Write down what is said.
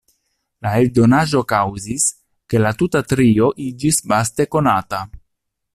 La eldonaĵo kaŭzis, ke la tuta trio iĝis vaste konata.